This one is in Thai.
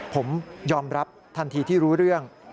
ผมยอมรับทันทีที่รู้เรื่อง